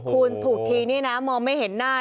คุณถูกทีนี่นะมองไม่เห็นหน้า